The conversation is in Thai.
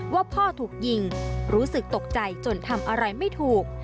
ว่าพ่อถูกยิงรู้สึกตกใจจนทำอะไรไม่ถูก